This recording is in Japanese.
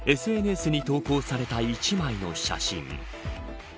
ＳＮＳに投稿された１枚の写真。